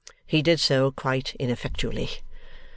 He did so, quite ineffectually.